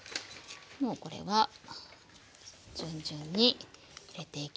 もうこれは順々に入れていきましょう。